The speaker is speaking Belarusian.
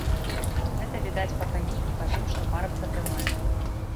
Гэта відаць па кані і па тым, што парабка трымае.